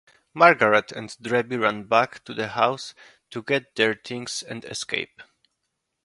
Margaret and Debbie run back to the house to get their things and escape.